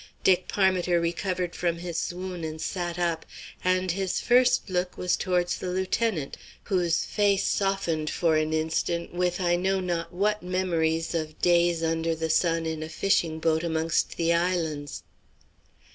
Dick Parmiter recovered from his swoon and sat up: and his first look was towards the lieutenant, whose face softened for an instant with I know not what memories of days under the sun in a fishing boat amongst the islands.